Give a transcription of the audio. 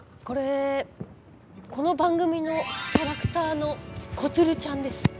これこの番組のキャラクターのこつるちゃんです。